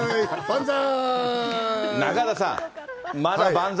万歳！